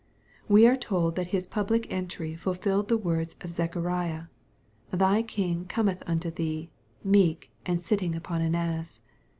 We are told that His public entry fulfilled the words of Zechariah, " Thy King Cometh unto thee, meek, and sitting upon an ass."